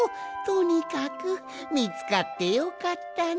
とにかくみつかってよかったのう。